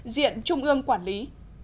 diện trung mương quản lý